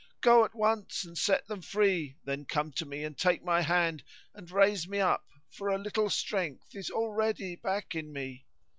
Go at once and set them free then come to me and take my hand, and raise me up, for a little strength is already back in me."